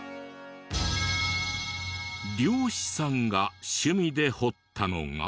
漁師さんが趣味で彫ったのが。